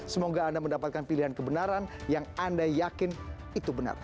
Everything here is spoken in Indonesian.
semoga anda mendapatkan pilihan kebenaran yang anda yakin itu benar